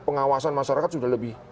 pengawasan masyarakat sudah lebih